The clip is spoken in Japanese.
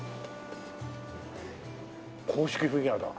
公式フィギュアだ。